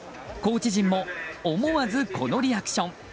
コーチ陣も思わずこのリアクション。